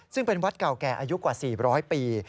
ซึ่งเป็นวัดเก่าแก่อายุกว่า๔๐๐ปี